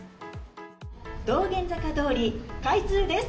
道玄坂通、開通です。